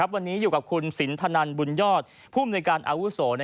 วันนี้อยู่กับคุณสินทนันบุญยอดภูมิในการอาวุโส